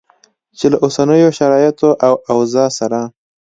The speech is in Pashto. چې له اوسنیو شرایطو او اوضاع سره